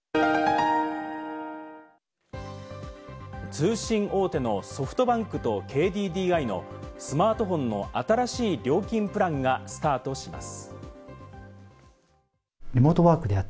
通信大手のソフトバンクとＫＤＤＩのスマートフォンの新しい料金プランがスタートします。